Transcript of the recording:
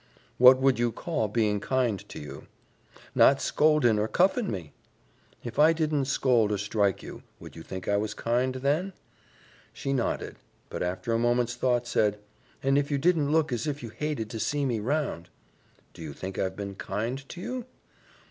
"What would you call being kind to you?" "Not scoldin' or cuffin' me." "If I didn't scold or strike you, would you think I was kind, then?" She nodded; but after a moment's thought, said, "and if you didn't look as if you hated to see me round." "Do you think I've been kind to you?"